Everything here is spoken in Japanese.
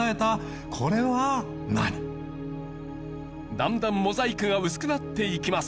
だんだんモザイクが薄くなっていきます。